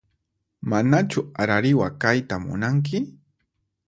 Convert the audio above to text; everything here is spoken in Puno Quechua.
Manachu arariwa kayta munanki?